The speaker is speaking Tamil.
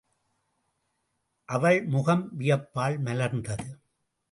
அவள் முகம் வியப்பால் மலர்ந்தது.